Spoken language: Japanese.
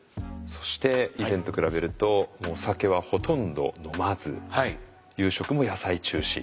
そして以前と比べるとお酒はほとんど飲まず夕食も野菜中心。